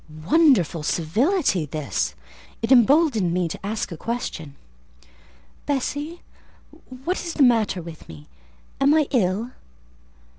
Wonderful civility this! It emboldened me to ask a question. "Bessie, what is the matter with me? Am I ill?"